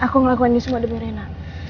aku ngelakuin ini semua demi rena